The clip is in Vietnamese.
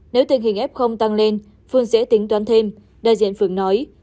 nếu tình hình f tăng lên phương sẽ tính toán thêm đại diện phương nói